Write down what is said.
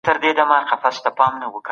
کمپيوټر ژبه بدلوي.